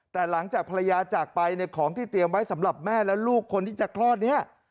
แต่หลังจากภรรยาจากไปเนี่ยของที่เตรียมไว้สำหรับแม่และลูกคนที่จะคลอดนี้